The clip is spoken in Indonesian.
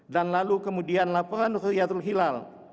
dan lalu kemudian laporan huriyatul hilal